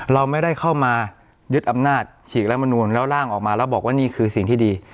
เราไม่ได้เข้ามายึดอำนาจฉีกรัฐมนูลแล้วร่างออกมาแล้วบอกว่านี่คือสิ่งที่ดี